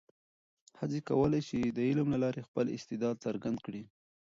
ښځې کولای شي د علم له لارې خپل استعداد څرګند کړي.